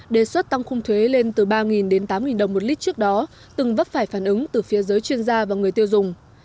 đề xuất tăng khung thuế lên từ ba đến tám đồng một lít trước đó từng vấp phải phản ứng từ phía giới chuyên gia và người tiêu dùng